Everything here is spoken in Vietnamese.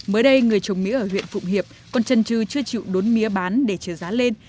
mới đây người trồng mía ở huyện phụng hiệp còn chân trừ chưa chịu đốn mía bán để trừ giá lên